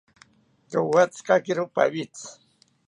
Rowetzikakiro pawitzi